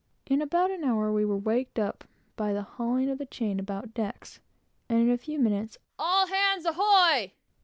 In about an hour we were waked up by the hauling of the chain about decks, and in a few minutes "All hands ahoy!"